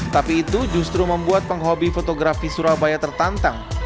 tapi itu justru membuat penghobi fotografi surabaya tertantang